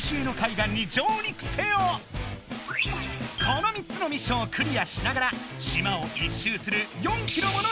この３つのミッションをクリアしながら島を一周する４キロもの大冒険だ！